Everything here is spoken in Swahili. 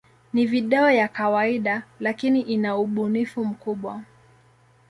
Ni video ya kawaida, lakini ina ubunifu mkubwa.